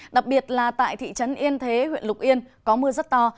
đặc biệt là tại thị trấn yên thế huyện lục yên có mưa rất to